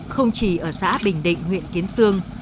không chỉ ở xã bình định huyện kiến sương